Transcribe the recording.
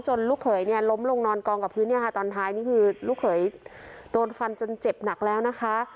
ลูกเขยเนี่ยล้มลงนอนกองกับพื้นเนี่ยค่ะตอนท้ายนี่คือลูกเขยโดนฟันจนเจ็บหนักแล้วนะคะ